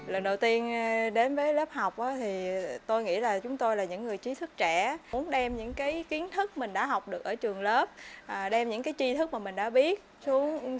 lần đầu tiên đến với lớp học thì tôi nghĩ là chúng tôi là những người trí thức trẻ muốn đem những cái kiến thức mình đã học được ở trường lớp đem những cái chi thức mà mình đã biết